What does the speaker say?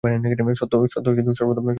সত্য সর্বদা তিক্ত হয়।